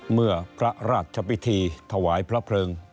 เมื่อพระราชพิธีถวายพระเพลิง